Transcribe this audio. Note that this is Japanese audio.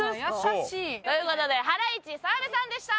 という事でハライチ澤部さんでした！